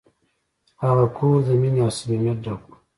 هغه کور د مینې او صمیمیت ډک و.